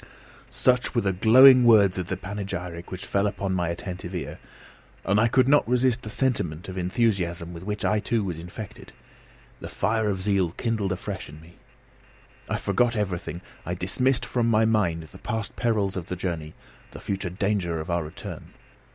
Such were the glowing words of panegyric which fell upon my attentive ear, and I could not resist the sentiment of enthusiasm with which I too was infected. The fire of zeal kindled afresh in me. I forgot everything. I dismissed from my mind the past perils of the journey, the future danger of our return.